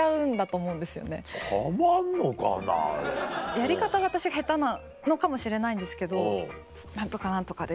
やり方が私下手なのかもしれないんですけど「何とか何とかで」